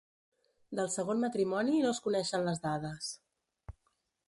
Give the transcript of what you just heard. Del segon matrimoni no es coneixen les dades.